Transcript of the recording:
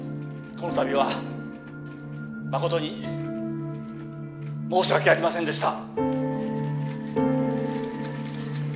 この度は誠に申し訳ありませんでした